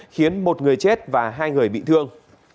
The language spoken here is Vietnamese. khiến một người chết và hai người bị thương